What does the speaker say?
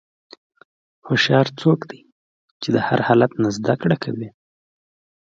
هوښیار څوک دی چې د هر حالت نه زدهکړه کوي.